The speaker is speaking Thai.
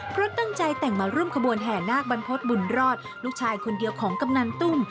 เพราะตั้งใจแต่งมาร่วมขบวนแห่นาคบรรพฤษบุญรอดลูกชายคนเดียวของกำนันตุ้ม